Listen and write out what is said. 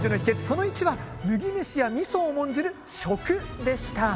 その１は麦飯や味噌を重んじる食でした。